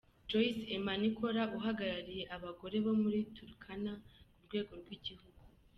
Joyce Emanikor uhagarariye abagore bo muri Turkana ku rwego rw’igihugu.